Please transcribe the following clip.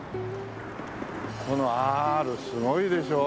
このアールすごいでしょ？